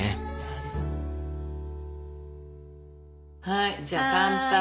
はいじゃあ乾杯。